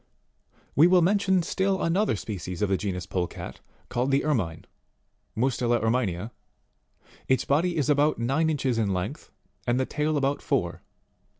We will mention still another species of the genus Polecat, called the Ermine, Mustela Erminea. Its body is about nine inches in length, and the tail about four.